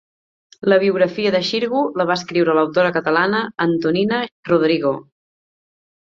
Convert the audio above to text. La biografia de Xirgu la va escriure l'autora catalana Antonina Rodrigo.